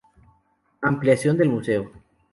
Ampliación del museo.